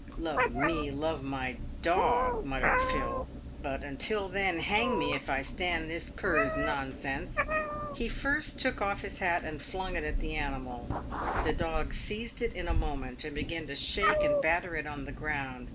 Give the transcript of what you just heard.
"Love me, love my dog," muttered Phil; "but, until then, hang me if I stand this cur's nonsense." He first took off his hat and flung it at the animal. The dog seized it in a moment, and began to shake and batter it on the ground.